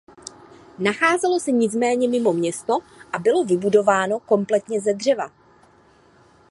Nacházelo se nicméně mimo město a bylo vybudováno kompletně ze dřeva.